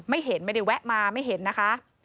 เห็นไม่ได้แวะมาไม่เห็นนะคะ